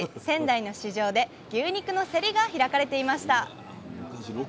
仙台の市場で牛肉の競りが開かれていました。